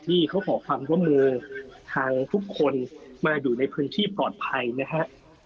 ขอความร่วมมือทางทุกคนมาอยู่ในพื้นที่ปลอดภัยนะฮะ